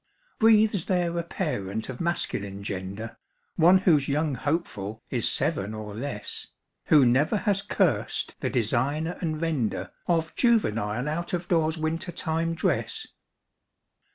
Breathes there a parent of masculine gender, One whose young hopeful is seven or less, Who never has cursed the designer and vender Of juvenile out of doors winter time dress?